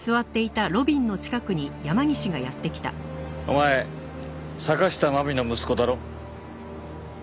お前坂下麻未の息子だろ？